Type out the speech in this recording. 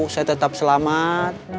saya tetap selamat